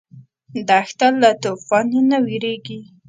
دښته له توفانه نه وېرېږي.